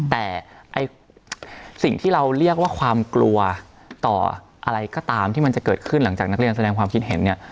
แต่สิ่งที่เราเรียกว่าความกลัวต่ออะไรก็ตามที่มันจะเกิดขึ้นหลังจากนักเรียนแสดงความคิดเห็นเนี่ย